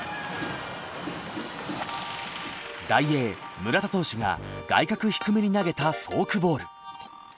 ダイエー村田投手が外角低めに投げたフォークボール。